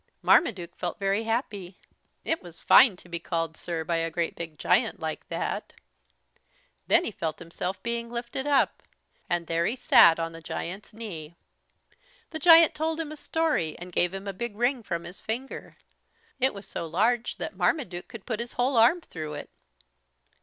Marmaduke felt very happy. It was fine to be called "Sir" by a great big giant like that. Then he felt himself being lifted up, and there he sat on the giant's knee. The giant told him a story and gave him a big ring from his finger. It was so large that Marmaduke could put his whole arm through it.